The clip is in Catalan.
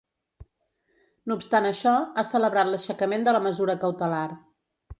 No obstant això, ha celebrat l’aixecament de la mesura cautelar.